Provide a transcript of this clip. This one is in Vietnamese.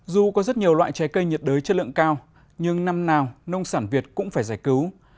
dù có rất nhiều loại trái cây nhiệt đới chất lượng cao nhưng năm nào nông sản việt cũng phải giải cứu